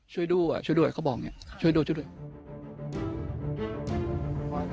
ช่วยดูเขาบอกอย่างนี้ช่วยดูช่วยดู